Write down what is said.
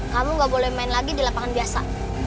kamu gak boleh main lagi di lapangan biasa